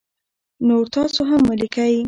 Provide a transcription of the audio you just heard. نور تاسو هم ولیکی